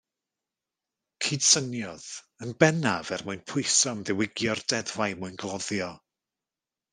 Cydsyniodd, yn bennaf er mwyn pwyso am ddiwygio'r deddfau mwyngloddio.